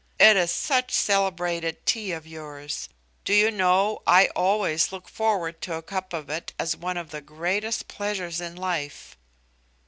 It is such celebrated tea of yours! Do you know, I always look forward to a cup of it as one of the greatest pleasures in life!"